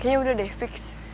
kayaknya udah deh fix